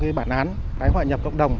cái bản án tái hoại nhập cộng đồng